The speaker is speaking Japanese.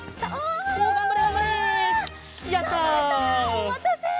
おまたせ。